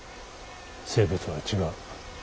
生物は違う。